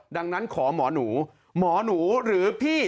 ดังนั้นขอหมอหนูหมอหนูหรือพี่